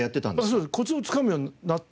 そうですコツをつかむようになって。